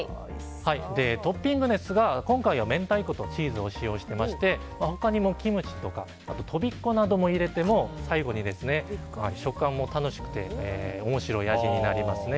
トッピングですが今回は明太子とチーズを使用していまして他にもキムチとかあと、とびっこなども入れても最後に食感も楽しくて面白い味になりますね。